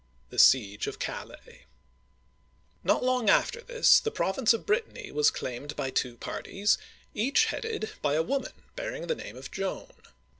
THE SIEGE OF CALAIS NOT long after this, the province of Brittany was claimed by two parties, each headed by a woman bearing the name of Joan.